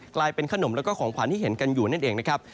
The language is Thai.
กลายเป็นขนมและของขวานที่เห็นกันอยู่นะครับ